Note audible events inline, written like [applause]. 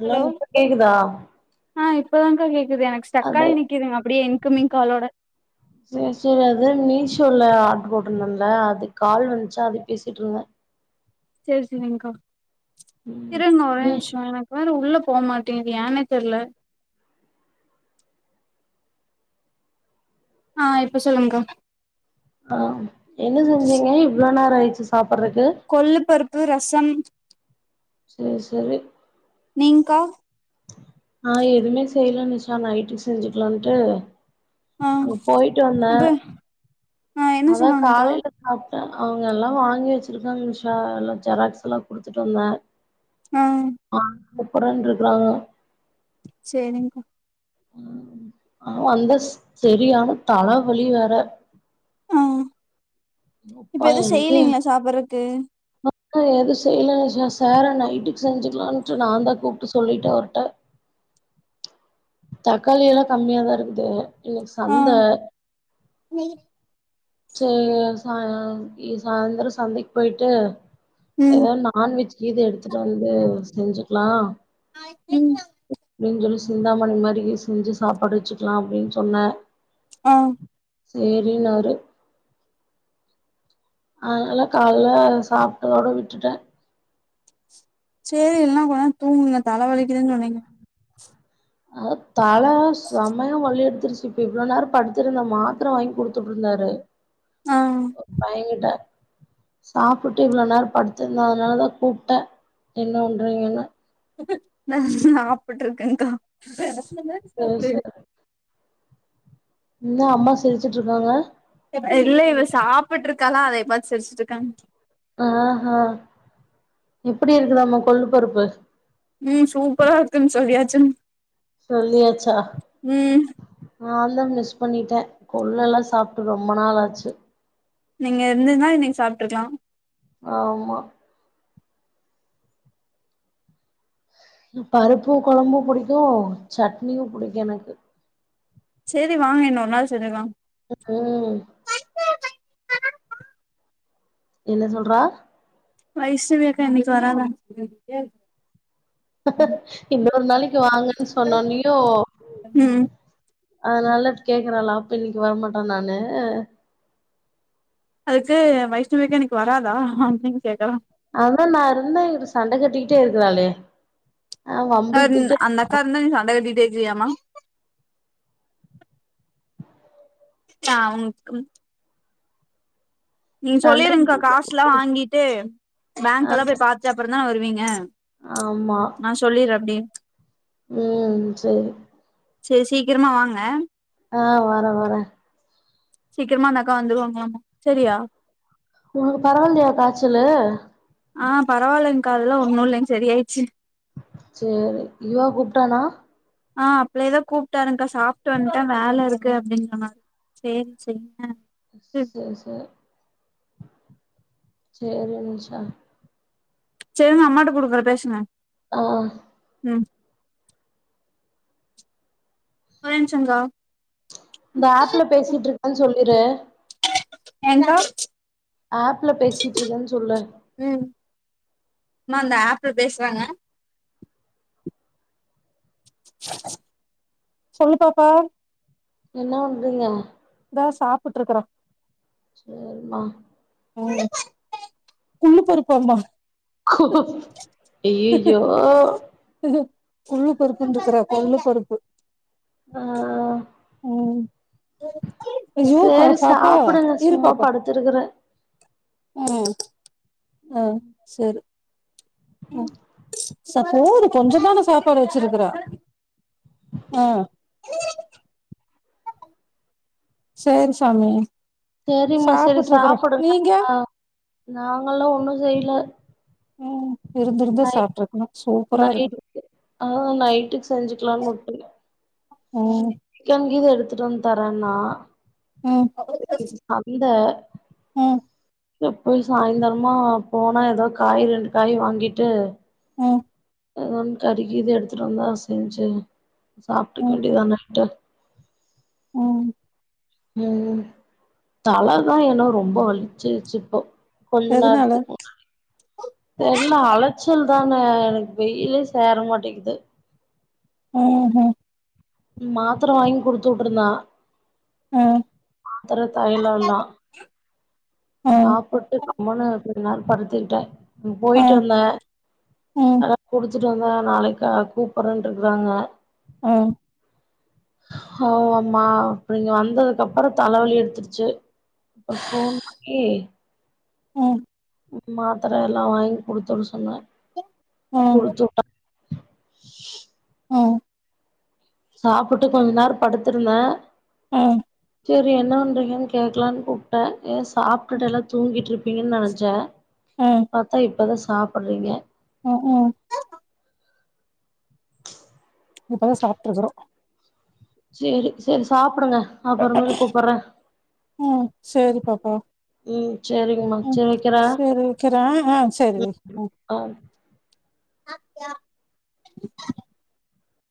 hello நுப்ப கேக்குதா ஆ இப்பதான்கா கேக்குது எனக்கு அது ஸ்டக்காயி நிக்குதுங்க அப்டியே இன்கம்மிங் காலோட சேர் சேரி அது மீஷோல ஆர்டரு போட்டிருந்தேன்ல அது கால் வந்ச்சா அதே பேசிட்டுர்ந்தோ செரி செரிங்க்கா ம் இருங்க ஒரே ஒரு ஏ நிமிஷோ எனக் வேற உள்ள போ மாட்டேங்குதுயானே தெர்ல ஆ இப்ப சொல்லுங்க்கா ஆ என்ன செஞ்சீங்க இவ்ளோ நேரொ ஆயிடுச்சு சாப்டறக்கு கொள்ளு பருப்பு ரசோ சேர் சேரி நீ்ங்க்கா நா எதுவுமே செய்யல நிச்சா நைட்டுக்கு செஞ்சுக்கலாம் இன்ட்டு ஆ அங்க போயிட்டு அப்ப வந்தேன் ஆ என்ன அதான் சொன்னாங்க்கா காலையில சாப்பிட்டேன் அவுங்கெல்லாம் வாங்கி வச்சிருக்காங்க நிஷா எல்லாம் ஜெராக்ஸ்ல்லாம் குடுத்துட்டு வந்தேன் ஆ ஆ கூப்றனர்க்கறாங்க சேரிங்கா ம் ஆனா வந்து சரியான தலவலி வேற ஆ இப்ப எதுவும் செய்யுலிங்களா சாப்பிறக்கு அப்ப செய்யலாம் செய்யலாம் நைட்டுக்கு செஞ்சுக்கலாம்ட்டு நான் தான் கூப்பிட்டு சொல்லிட்டேன் அவரயிட்ட தக்காளி எல்லாம் கம்மியாதான் இருக்குது இன்னைக்கு சந்த நீ சேரி சாயந்திரம் இ சாய்ந்தரம் சந்தைக்கு போயிட்டு ம் ஏதா நான்வெஜ்ச்சு இது எடுத்துட்டு வந்து செஞ்சுக்கலாம் [inaudible] அப்டின்னு சொல்லி சிந்தாமணி மாரி செஞ்சு சாப்பாடு வச்சுக்கலாம் அப்டின்னு சொன்னே ஆ சேரின்னாரு அதனால காலையில சாப்பிட்டதோடு விட்டுட்டேன் சேரி இல்லன்னா கொஞ்ச நேரோ தூங்குங்க தலை வலிக்குதுன்னு சொன்னிங்க ஆ தலை செமைய வலி எடுத்துருச்சு இப்ப இவ்ளோ நேரம் படிடுத்திருந்தேன் மாத்திர வாங்கி குடுத்துட்டு இருந்தாரு ஆ என் பையங்கிட்டா சாப்பிட்டு இவ்ளோ நேரம் படுத்திருந்தேன் அதனாலதான் கூப்பிட்டேன் என்ன பன்றிங்கன்னு நான் சாப்பிட்டு இருக்கேன்க்கா சேரி இன்னும் அம்மா சிரிச்சுட்டு இருக்காங்க இல்ல இவ சாப்பிட்டு இருக்காலா அதை பார்த்து சிரிச்சுட்டு இருக்காங்க ஆஹா எப்டி இருக்குதாம் கொள்ளுபருப்பு ம் சூப்பரா இருக்கு சொல்லியாச்சு சொல்லியாச்சா ம் நான் தான் மிஸ் பண்ணிட்டேன் கொள்ளு எல்லாம் சாப்பிட்டு ரொம்ப நாளாச்சு நீங்க இருந்துருந்தா இன்னைக்கு சாப்ட்டு இருக்கலாம் ஆமா பருப்பு குழம்பும் புடிக்கும் சட்னியும் புடிக்கும் எனக்கு சேரி வாங்க இன்னொரு நாள் செஞ்சிக்கலாம் உஹும் என்ன சொல்றா வைஷ்ணவி அக்கா இன்னைக்கு வராதான்ட்டுசொல்லியிருக்கே இன்னொரு நாளைக்கு வாங்கன்னு சொன்னோனயூ ம் அதனால கேக்குறாளா அப்ப இன்னைக்கு வரமாட்டேன் நானு அதுக்கு வைஷ்ணவிஅக்கா இன்னைக்கு வராதா அப்டின்னு கேக்குறா அதான் நான் இருந்தா சண்டை கட்டிக்கிட்டே இருக்கிறாலே அந்த அக்கா இருந்தா நீ சண்ட கட்டிக்கிட்டே இருக்கியாம்மா சாவுக்கும் நீங்க சண்ட சொல்லிருங்க அக்கா காசு எல்லாம் கட்டிக்கிட்டே வாங்கிட்டு பேங்க் எல்லாம் ஆமா போய் பாத்துட்டு அப்புறம் தான வருவிங்க ஆமா நான் சொல்லிறேன் அப்டியே உம் சேரி சேரி சீக்கிரமா வாங்க ஆ வரே வரே சீக்கிரமா அந்த அக்கா வந்துருவாங்லாமா செரியா உங்களுக்கு பரவாயில்லையா காய்ச்சலு ஆ பரவாயில்லங்க்கா அதெல்லாம் ஒன்னு இல்லங் சரியாயிடுச்சு சேரி இவா கூப்டானா ஆ அப்பள்ளேதோ கூப்ட்டாக்கா சாப்ட்டு வந்துட்டேன் வேல இருக்கு அப்டிங்க மாரு சேரி செய்ங்க சேர் சே சேரி நிஷா சேரிங்க அம்மாட்ட குடுக்குறேன் பேசுங்க ஆ உம் ஒரே நிமிஷம்கா இந்த ஆப்ல பேசிட்டு இருக்கான்னு சொல்லிரு எந்த ஆப்ல பேசிட்டு இருக்கேன்னு சொல்லு உம் அம்மா இந்த ஆப்ள பேசுறாங்க சொல்லு பாப்பா என்ன பண்றிங்க இந்தா சாப்ட்டுட் இருக்கறோம் சேரிமா உம் குள்ளு பருப்பான்பா ஐயயையோ இது குள்ளு பருப்புன் இருக்ற கொள்ளு பருப்பு ஆ உம் ஐயோ பாப்பா இரு பாப்பா இருக்றே உம் ஆ செரி உம் சப்போடு கொஞ்சந்தான சாப்பாடு வச்சிருக்குற ஆ சேரி சாமி சேரிம்மா சேரி சாப்ட்டு இருக்கறோ சாப்டு நீங்க நாங்கெல்லா ஒன்னும் செய்யல இருந்து இருந்து நைட் சாப்ட்டு இருக்கணும் சூப்பரா இருக்குது நைட்டுக்கு ஆ நைட்டுக்கு செஞ்சுக்கலாம்னு உட்டுட்டே ம் சிக்கன் கீது எடுத்துட்ட வந்து தரேன்னா ம் அந்த ம் இல்ல போய் சாய்ந்தரமா போனா ஏதோ காய் ரெண்டு காய் வாங்கிட்டு ம் எது ஒன்னு கறிகிது எடுத்துகிட்டு வந்தா செஞ்சு சாப்ட்டுக்க ம் வேண்டியதான நைட்டு ம் ம் தலை தா ஏன்னா ரொம்ப வலிச்சுச்சு இப்போ கொஞ்ச எதுனால நேரத்துக்கு முன்னாடி தெர்லா அழச் சல் தானே எனக்கு வெயிலே சேர மாட்டேங்குது ம் ம் மாத்திர வாங்கி குடுத்து உட்டுருந்தா ஆ மாத்திர தைலோ எல்லா ஆ சாப்பிட்டு கம்மனு இருந்து கொஞ்சோ நேரோ படுத்துக்கிட்டே ஆ போயட்டு வந்தே ம் அத குடுத்துட் வந்தே நாளைக் க கூப்பறன்ட்டுருக்குறாங்க ம் ஓ அம்மா அப்ப இங்க வந்ததுக்கப்றோ தலவலி எடுத்துருச்சு ஒரு ஃபோன் பண்ணி ம் மாத்திர எல்லா வாங்கி குடுத்துட சொன்னே ம் குடுத்துட்டான் ம் சாப்ட்டுட்டு கொஞ்சோ நேர படுத்துருந்தே ம் செரி என்ன பண்றீங்கன் கேக்கலான் கூப்ட்டே எ சாப்ட்டுட்டு எல்லா தூங்கிட்ருப்பீங்கன் நெனச்சே ஆ பாத்தா இப்பதா சாப்பட்றீங்க ஹ் ஹ் ம் இப்பதா சாப்ட்ருக்கறோ சேரி சேர் சாப்புடுங்க அப்றமேல் கூப்பட்றே ம் சேரி பாப்பா சேரிங்கம்மா ம் சேரி வைக்கிறே சேரி வக்கிற அ சேரி வை ம் ஆ சாப்ட்டியா [unintelligible]